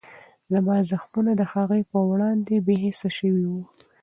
زما زخمونه د هغې په وړاندې بېحسه شوي وو.